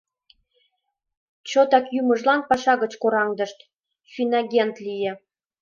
Чотак йӱмыжлан паша гыч кораҥдышт, финагент лие.